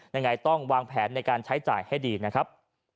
ยังไงต้องวางแผนในการใช้จ่ายให้ดีนะครับ